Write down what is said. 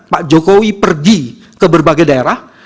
pak jokowi pergi ke berbagai daerah